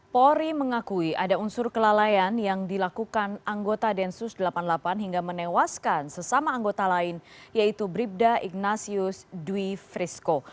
polri mengakui ada unsur kelalaian yang dilakukan anggota densus delapan puluh delapan hingga menewaskan sesama anggota lain yaitu bribda ignatius dwi frisco